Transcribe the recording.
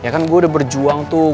ya kan gue udah berjuang tuh